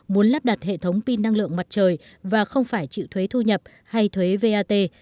muốn lắp đặt hệ thống pin năng lượng mặt trời và không phải chịu thuế thu nhập hay thuế vat